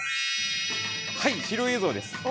はい、資料映像です。